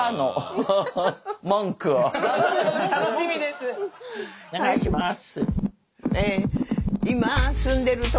楽しみです。